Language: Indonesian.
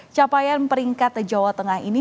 capaian peringkat ke jawa tengah ini